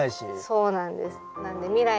そうなんです。